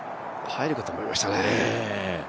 入るかと思いましたね。